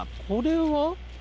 これは？